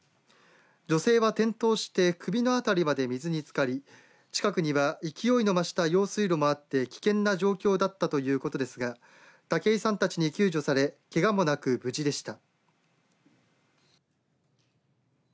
女性は転倒して首のあたりまで水につかり近くには勢いの増した用水路もあって危険な状況だったということですが竹井さんたちに救助されけがもなく無事でした。